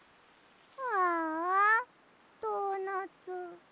ああドーナツ。